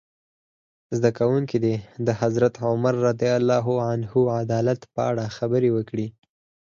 زده کوونکي دې د حضرت عمر فاروق رض عدالت په اړه خبرې وکړي.